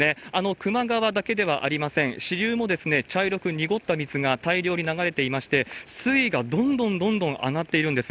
球磨川だけではありません、支流も茶色く濁った水が大量に流れていまして、水位がどんどんどんどん上がっているんです。